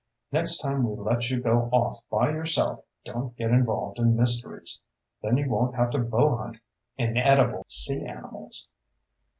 "Next time we let you go off by yourself don't get involved in mysteries. Then you won't have to bowhunt inedible sea animals."